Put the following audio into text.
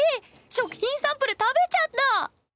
食品サンプル食べちゃった！